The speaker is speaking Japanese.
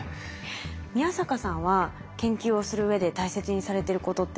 宮坂さんは研究をするうえで大切にされてることって何ですか？